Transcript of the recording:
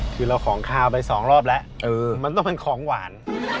คือเราของคาวไปสองรอบแล้วมันต้องเป็นของหวาน